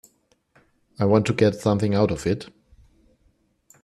I want to get something out of it.